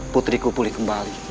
putriku pulih kembali